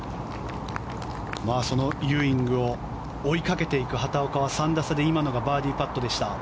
そのユーイングを追いかけていく畑岡は３打差で今のがバーディーパットでした。